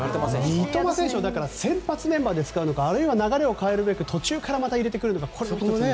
三笘選手も先発メンバーで使うのかあるいは流れを変えるべく途中からまた入れてくるのか。